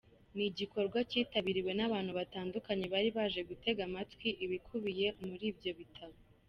Ni igikorwa kitabiriwe n’abantu batandukanye bari baje gutega amatwi ibikubiye muri ibyo bitabo.